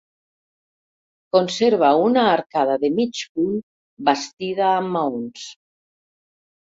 Conserva una arcada de mig punt bastida amb maons.